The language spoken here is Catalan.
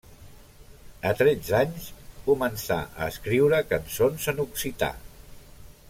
A tretze anys, començà a escriure cançons en occità.